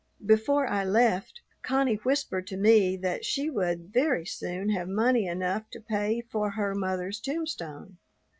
Before I left, Connie whispered to me that she would very soon have money enough to pay for her mother's tombstone.